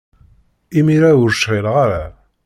Imir-a ur cɣileɣ ara.